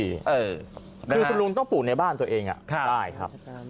คือคุณลุงต้องปลูกในบ้านตัวเองน่ะได้ครับนะฮะนะฮะ